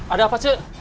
ada apa cek